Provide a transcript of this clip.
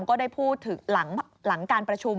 ก็ได้พูดถึงหลังการประชุม